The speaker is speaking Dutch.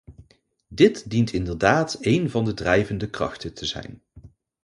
Dit dient inderdaad een van de drijvende krachten te zijn.